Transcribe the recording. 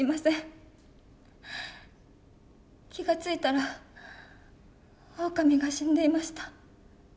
気が付いたらオオカミが死んでいました。